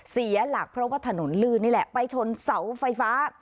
เสียหลักเพราะว่าถนนลื่นนี่แหละไปชนเสาไฟฟ้า